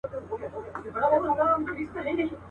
څه د مستیو ورځي شپې ووینو.